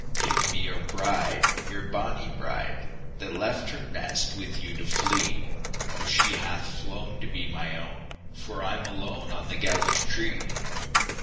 "Give me your bride, your bonnie bride, That left her nest with you to flee! O, she hath flown to be my own, For I'm alone on the gallows tree!"